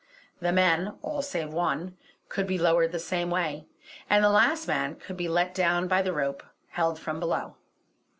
The men, all save one, could be lowered the same way, and the last man could be let down by the rope held from below.